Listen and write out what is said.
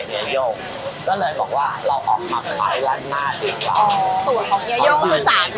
เยยองก็เลยบอกว่าเราออกมาไขลัดหน้าดึงสูตรของเยยองคือสามี